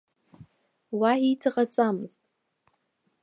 Уа иҵаҟаҵамызт.